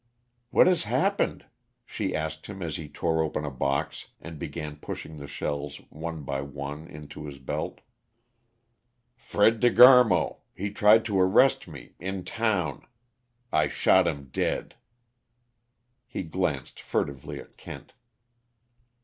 "What has happened?" she asked him as he tore open a box and began pushing the shells, one by one, into his belt. "Fred De Garmo he tried to arrest me in town I shot him dead," He glanced furtively at Kent.